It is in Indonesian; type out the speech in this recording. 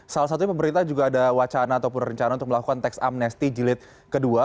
salah satunya pemerintah juga ada wacana ataupun rencana untuk melakukan teks amnesti jilid kedua